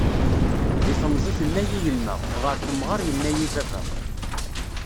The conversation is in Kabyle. Deg temẓi tenna-yi yemma, ɣer temɣer yenna-yi baba.